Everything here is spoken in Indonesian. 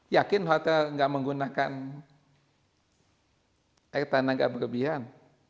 yakin hotel enggak menggunakan air tanah enggak berlebihan